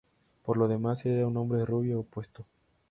Por lo demás, era un hombre rubio y apuesto.